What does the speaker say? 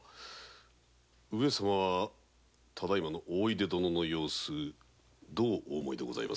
上様は大出殿の様子どうお思いでございますか？